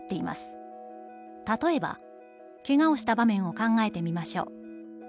例えば、怪我をした場面を考えてみましょう」。